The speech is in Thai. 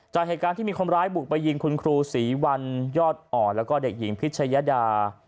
จากเหตุการณ์ที่มีคนร้ายบุกไปยิงคุณครูศรีวันยอดอ่อนแล้วก็เด็กหญิงพิชยดา